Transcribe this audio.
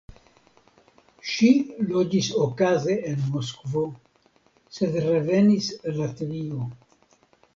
Ŝi loĝis okaze en Moskvo sed revenis al Latvio.